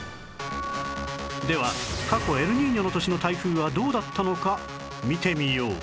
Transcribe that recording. では過去エルニーニョの年の台風はどうだったのか見てみよう